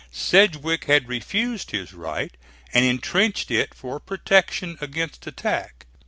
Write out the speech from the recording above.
Sedgwick had refused his right and intrenched it for protection against attack.